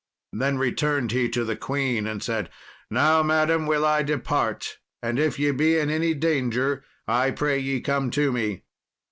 Then returned he to the queen, and said, "Now, madam, will I depart, and if ye be in any danger I pray ye come to me."